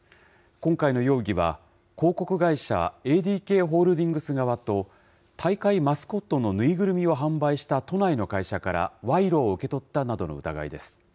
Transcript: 今回の容疑は、広告会社、ＡＤＫホールディングス側と大会マスコットの縫いぐるみを販売した都内の会社から賄賂を受け取ったなどの疑いです。